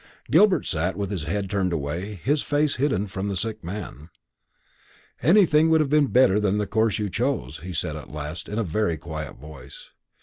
Gilbert sat with his head turned away, his face hidden from the sick man. "Anything would have been better than the course you chose," he said at last in a very quiet voice.